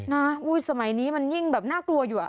นะสมัยนี้มันยิ่งแบบน่ากลัวอยู่